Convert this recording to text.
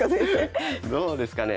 どうですかね。